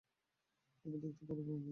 আমরা দেখতে পারবো, এবং এর ভিতরে কি আছে।